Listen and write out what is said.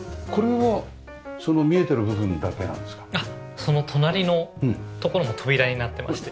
その隣のところも扉になってまして。